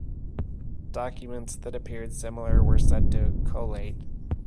Documents that appeared similar were said to "collate".